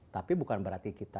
tapi bukan berarti kita